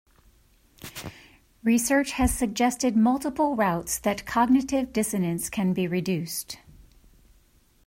Research has suggested multiple routes that cognitive dissonance can be reduced.